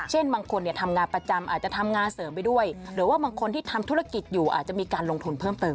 บางคนทำงานประจำอาจจะทำงานเสริมไปด้วยหรือว่าบางคนที่ทำธุรกิจอยู่อาจจะมีการลงทุนเพิ่มเติม